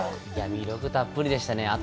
魅力いっぱいでしたね。